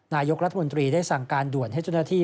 นายกรัฐมนตรีได้สั่งการด่วนให้เจ้าหน้าที่